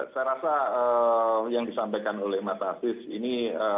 saya rasa yang disampaikan oleh mas hafiz ini